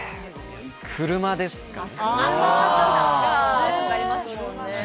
車ですかね。